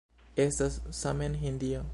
Estas same en Hindio.